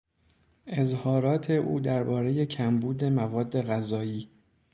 اظهارات او دربارهی کمبود مواد غذایی